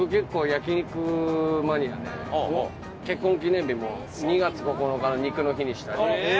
焼肉マニアで結婚記念日も２月９日の肉の日にしたり。